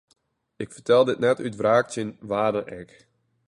Ik fertel dit net út wraak tsjin wa dan ek.